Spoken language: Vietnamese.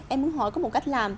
em muốn hỏi có một cách làm